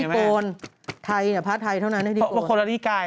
ไภพระทายเท่านั้นนี่ทรียิกาย